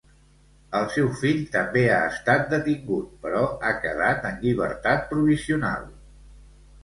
El seu fill també ha estat detingut, però ha quedat en llibertat provisional.